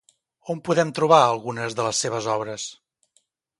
On podem trobar algunes de les seves obres?